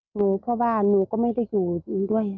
หนูพ่อบ้านหนูก็ไม่ได้อยู่ด้วย